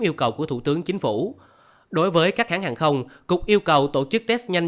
yêu cầu của thủ tướng chính phủ đối với các hãng hàng không cục yêu cầu tổ chức test nhanh